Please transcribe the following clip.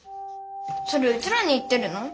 それうちらに言ってるの？